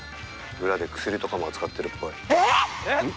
裏で薬とかも扱ってるっぽい。